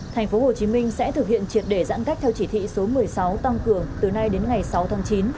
thành phố hồ chí minh sẽ thực hiện triệt đề giãn cách theo chỉ thị số một mươi sáu tăng cường từ nay đến ngày sáu tháng chín